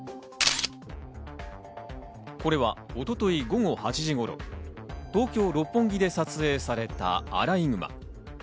これは一昨日午後８時頃、東京・六本木で撮影されたアライグマ。